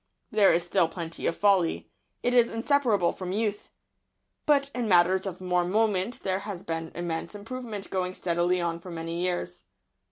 There is still plenty of folly. It is inseparable from youth. But in matters of more moment there has been immense improvement going steadily on for many years.